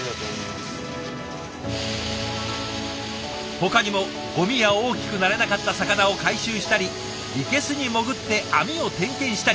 ほかにもゴミや大きくなれなかった魚を回収したり生けすに潜って網を点検したり。